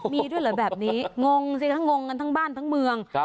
มีด้วยหรือแบบนี้งงทั้งบ้านทั้งเมือง